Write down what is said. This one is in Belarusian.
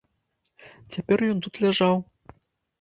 Цяпер ён тут ляжаў.